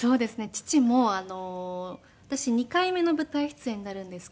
父も私２回目の舞台出演になるんですけど。